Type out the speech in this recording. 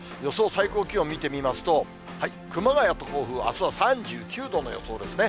最高気温見てみますと、熊谷と甲府、あすは３９度の予想ですね。